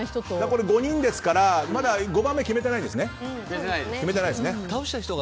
これ、５人なのでまだ５番目は決めてないですね。